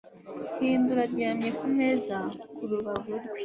hindura 'aryamye kumeza ku rubavu rwe